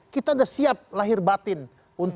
kita sudah siap lahir batin